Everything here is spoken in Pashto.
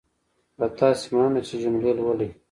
له تاسې مننه چې جملې لولئ.